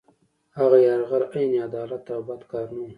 هغه یرغل عین عدالت او بد کار نه وو.